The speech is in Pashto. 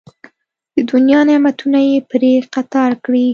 د دنیا نعمتونه یې پرې قطار کړي.